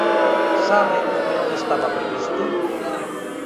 ¿Sabe o que non estaba previsto?